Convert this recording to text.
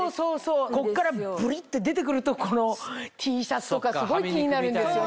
こっからブリって出てくるとＴシャツとかすごい気になるんですよね。